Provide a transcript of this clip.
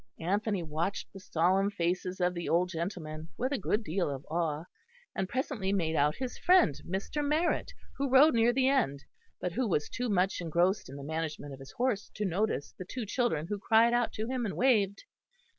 Anthony watched the solemn faces of the old gentlemen with a good deal of awe, and presently made out his friend, Mr. Marrett, who rode near the end, but who was too much engrossed in the management of his horse to notice the two children who cried out to him and waved.